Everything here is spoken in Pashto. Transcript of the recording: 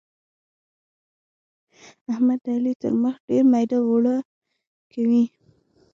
احمد د علي تر مخ ډېر ميده اوړه کوي.